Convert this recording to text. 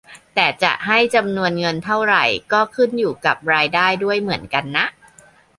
แต่จะให้จำนวนเงินเท่าไรก็ขึ้นอยู่กับรายได้ด้วยเหมือนกันนะ